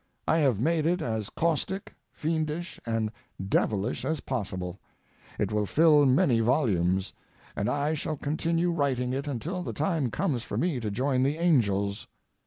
I have made it as caustic, fiendish, and devilish as possible. It will fill many volumes, and I shall continue writing it until the time comes for me to join the angels.